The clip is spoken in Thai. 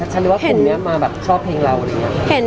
แต่จริงแล้วเขาก็ไม่ได้กลิ่นกันว่าถ้าเราจะมีเพลงไทยก็ได้